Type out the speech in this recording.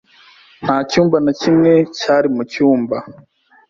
Nta cyumba na kimwe cyari mu cyumba.